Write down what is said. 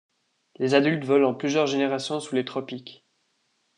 Les adultes volent en plusieurs générations sous les tropiques.